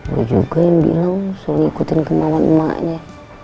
gue juga yang bilang suruh ngikutin kenangan emaknya